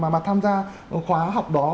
mà tham gia khóa học đó